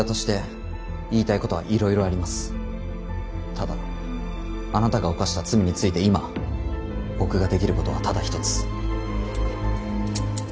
ただあなたが犯した罪について今僕ができることはただ一つ。